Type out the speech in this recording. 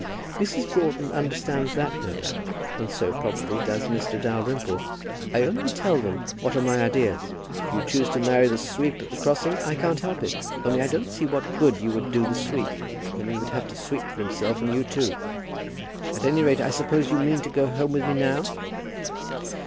"Mrs. Broughton understands that, no doubt; and so, probably, does Mr. Dalrymple. I only tell them what are my ideas. If you choose to marry the sweep at the crossing, I can't help it. Only I don't see what good you would do the sweep, when he would have to sweep for himself and you too. At any rate, I suppose you mean to go home with me now?"